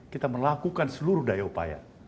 kita melakukan seluruh daya upaya